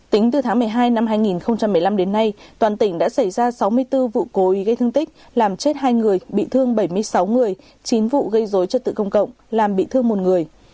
tính từ tháng một mươi hai năm hai nghìn một mươi năm đến nay toàn tỉnh đã xảy ra sáu mươi bốn vụ cố ý gây thương tích làm chết hai người bị thương bảy mươi sáu người chín vụ gây dối trật tự công cộng làm bị thương một người